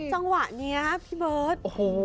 จังหวะนี้ครับพี่เบิร์ด